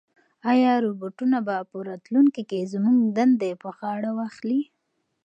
ایا روبوټونه به په راتلونکي کې زموږ دندې په غاړه واخلي؟